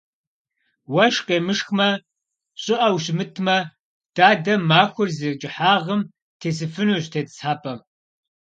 Уэшх къемышхмэ, щӀыӀэу щымытмэ, дадэ махуэр зи кӀыхьагъым тесыфынущ тетӏысхьэпӏэм.